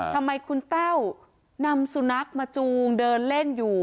ทำไมคุณแต้วนำสุนัขมาจูงเดินเล่นอยู่